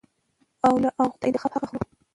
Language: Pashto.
او له هغوى د انتخاب حق اخلو.